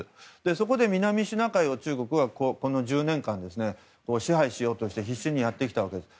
そこで南シナ海を中国はこの１０年間で支配しようとして必死にやってきたんです。